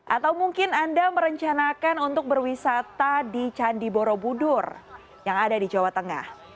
atau mungkin anda merencanakan untuk berwisata di candi borobudur yang ada di jawa tengah